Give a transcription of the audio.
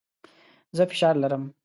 زه فشار لرم.